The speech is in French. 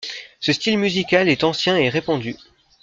Ce style musical est ancien et répandu.